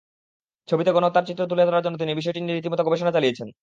ছবিতে গণহত্যার চিত্র তুলে ধরার জন্য তিনি বিষয়টি নিয়ে রীতিমতো গবেষণা চালিয়েছিলেন।